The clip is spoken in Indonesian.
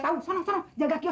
kok marah sih